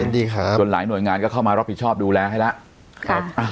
ดีครับจนหลายหน่วยงานก็เข้ามารับผิดชอบดูแลให้แล้วครับ